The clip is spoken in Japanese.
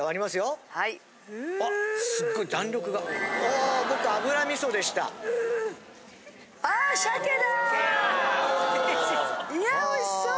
いやおいしそう！